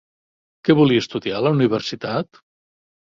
Què volia estudiar a la Universitat?